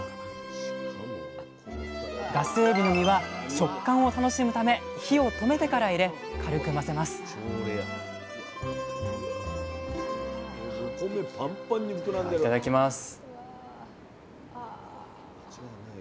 ガスエビの身は食感を楽しむため火を止めてから入れ軽く混ぜますではいただきます。